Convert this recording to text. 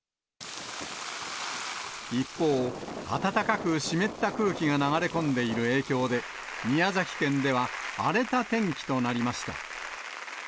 一方、暖かく湿った空気が流れ込んでいる影響で、宮崎県では荒れた天気となりました。